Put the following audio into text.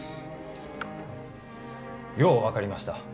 よう分かりました。